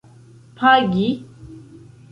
pagi